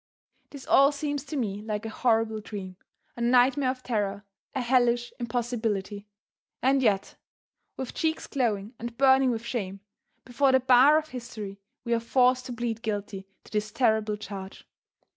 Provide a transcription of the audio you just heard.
This all seems to me like a horrible dream, a nightmare of terror, a hellish impossibility. And yet, with cheeks glowing and burning with shame, before the bar of history, we are forced to plead guilty to this terrible charge.